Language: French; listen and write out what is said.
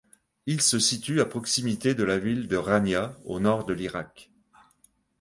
Il se situe à proximité de la ville de Ranya au nord de l'Irak.